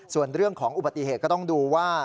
ส่วนเรื่องของอุบัติเหตุก็ต้องดูว่า